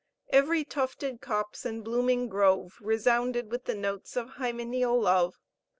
Every tufted copse and blooming grove resounded with the notes of hymeneal love.